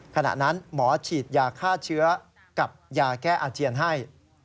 ขณะนั้นหมอฉีดยาฆ่าเชื้อกับยาแก้อาเจียนให้